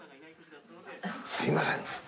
すいません！